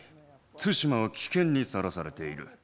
対馬は危険にさらされている。